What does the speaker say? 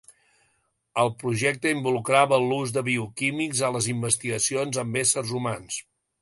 El Projecte involucrava l'ús de bioquímics a les investigacions amb éssers humans.